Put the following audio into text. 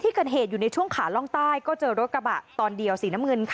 ที่กระเทดอยู่ในช่วงขาล่องใต้ก็เจอกระบะตอนเดียวสีน้ำมืน